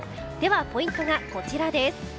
ポイントがこちらです。